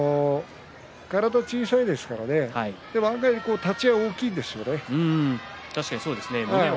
体が小さいですから案外立ち合いは大きいんですよね。